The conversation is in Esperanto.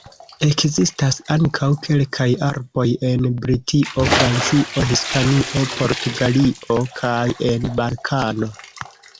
Ekzistas ankaŭ kelkaj arboj en Britio, Francio, Hispanio, Portugalio kaj en Balkano.